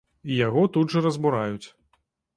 І яго тут жа разбураюць.